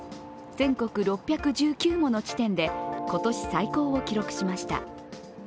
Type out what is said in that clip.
全国６１９もの地点で今年最高を記録しました。